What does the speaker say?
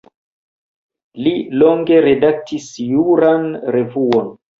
Li longe redaktis juran revuon.